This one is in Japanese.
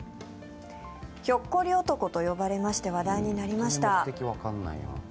ひょっこり男と呼ばれて話題になりました。